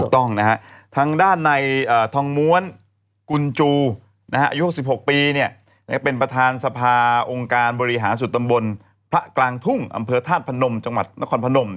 ต้องนะฮะทางด้านในทองม้วนกุญจูอายุ๖๖ปีเป็นประธานสภาองค์การบริหารสุดตำบลพระกลางทุ่งอำเภอธาตุพนมจังหวัดนครพนม